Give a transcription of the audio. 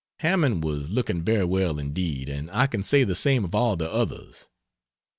Hammond was looking very well indeed, and I can say the same of all the others.